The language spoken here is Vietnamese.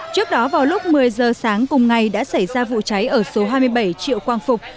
trước đó vào lúc một mươi giờ sáng cùng ngày đã xảy ra vụ cháy ở số hai mươi bảy triệu quang phục